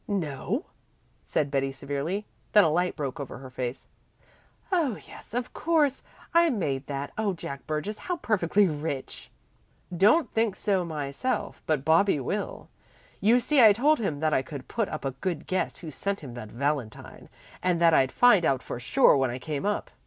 "No," said Betty severely. Then a light broke over her face. "Oh yes, of course, I made that. Oh Jack Burgess, how perfectly rich!" "Don't think so myself, but Bobbie will. You see I told him that I could put up a good guess who sent him that valentine, and that I'd find out for sure when I came up.